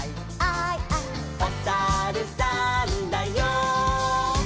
「おさるさんだよ」